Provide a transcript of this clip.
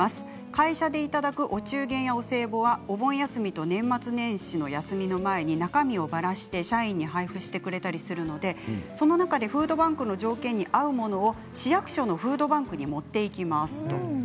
会社でいただくお中元やお歳暮はお盆休みと年末年始の休みの前に中身をばらして社員に配布してくれたりするのでその中でフードバンクの条件に合うものを市役所のフードバンクに持っていきます。